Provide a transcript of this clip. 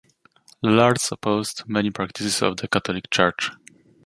Lollards opposed many practices of the Catholic church.